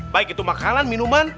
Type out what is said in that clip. baik itu makanan minuman